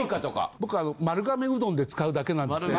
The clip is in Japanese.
僕あの丸亀うどんで使うだけなんですけど。